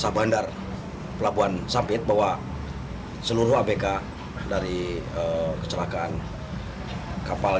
sabandar pelabuhan sampit bahwa seluruh abk dari kecelakaan kapal